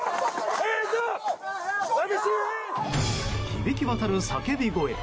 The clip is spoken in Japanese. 響き渡る叫び声。